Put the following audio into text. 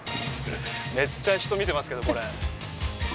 めっちゃ人見てますけどこれ。